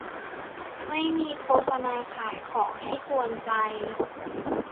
ไม่มีโฆษณาขายของให้กวนใจ